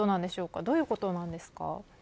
どういうことなんですか。